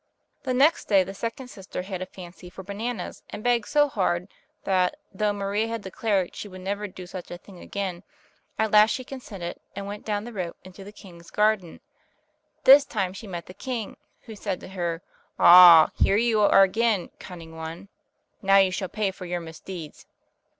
The next day the second sister had a fancy for bananas and begged so hard, that, though Maria had declared she would never do such a thing again, at last she consented, and went down the rope into the king's garden. This time she met the king, who said to her, "Ah, here you are again, cunning one! Now you shall pay for your misdeeds."